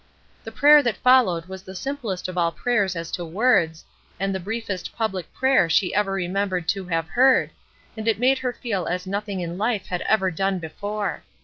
The prayer that followed was the simplest of all prayers as to words, and the briefest public prayer she ever remembered to have heard, and it made her feel as nothing in life had ever done before.